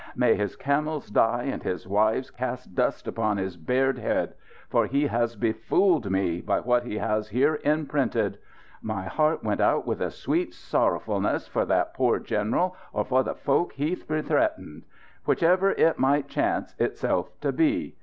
May his camels die and his wives cast dust upon his bared head! For he has befooled me, by what he has here enprinted. My heart went out with a sweet sorrowfulness for that poor general or for the folk he bethreatened. Whichever it might chance itself to be.